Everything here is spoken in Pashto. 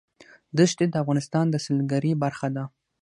دښتې د افغانستان د سیلګرۍ برخه ده.